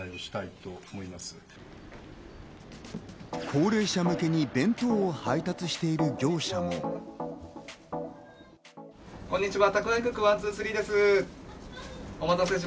高齢者向けに弁当を配達している業者は。